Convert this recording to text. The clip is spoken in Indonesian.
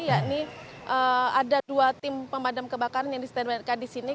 yakni ada dua tim pemadam kebakaran yang disterilkan di sini